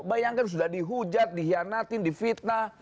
bayangkan sudah dihujat dihianatin di fitnah